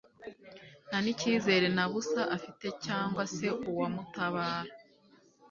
nta n'icyizere na busa afite cyangwa se uwamutabara